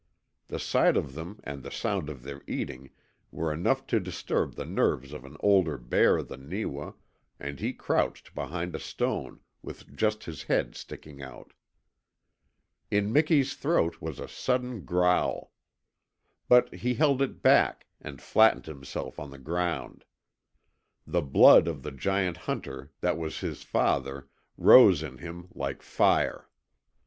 The sight of them and the sound of their eating were enough to disturb the nerves of an older bear than Neewa, and he crouched behind a stone, with just his head sticking out. In Miki's throat was a sullen growl. But he held it back, and flattened himself on the ground. The blood of the giant hunter that was his father rose in him again like fire.